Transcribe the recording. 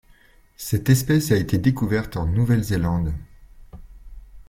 Cette espèce a été découverte en Nouvelle-Zélande.